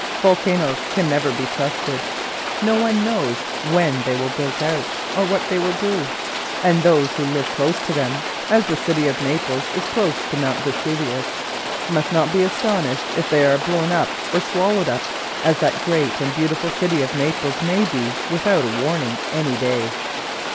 Volcanos can never be trusted. No one knows when one will break out, or what it will do; and those who live close to them as the city of Naples is close to Mount Vesuvius must not be astonished if they are blown up or swallowed up, as that great and beautiful city of Naples may be without a warning, any day.